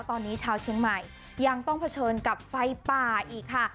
ตอนนี้ชาวเชียงใหม่ยังต้องเผชิญกับไฟป่าอีกค่ะ